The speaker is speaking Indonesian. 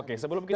oke sebelum kita